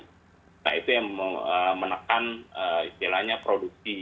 nah itu yang menekan istilahnya produksi